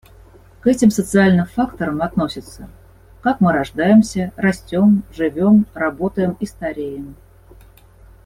К этим социальным факторам относится: как мы рождаемся, растем, живем, работаем и стареем.